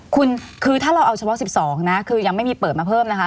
คุณคือถ้าเราเอาเฉพาะ๑๒นะคือยังไม่มีเปิดมาเพิ่มนะคะ